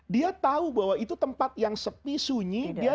dia tahu bahwa itu tempat yang sepi sunyi